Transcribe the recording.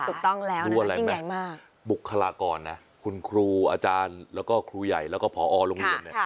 รู้อะไรไหมบุคลากรคุณครูอาจารย์แล้วก็ครูใหญ่แล้วก็ผอโรงเรียน